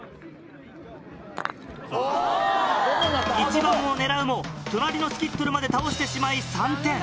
１番を狙うも隣のスキットルまで倒してしまい３点。